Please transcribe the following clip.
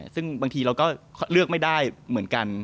ซึ่งบางทีเราก็เลือกไม่ได้เหมือนกัน